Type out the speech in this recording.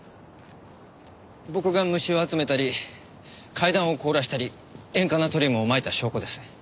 僕が虫を集めたり階段を凍らせたり塩化ナトリウムをまいた証拠です。